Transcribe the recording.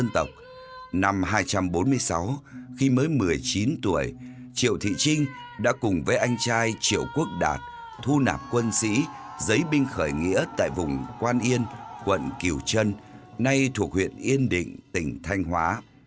năm hai trăm bốn mươi sáu khi mới một mươi chín tuổi triệu thị trinh đã cùng với anh trai triệu quốc đạt thu nạp quân sĩ giấy binh khởi nghĩa tại vùng quan yên quận cửu trân nay thuộc huyện yên định tỉnh thanh hóa